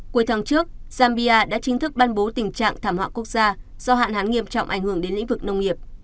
cuối tháng trước zambia đã chính thức ban bố tình trạng thảm họa quốc gia do hạn hán nghiêm trọng ảnh hưởng đến lĩnh vực nông nghiệp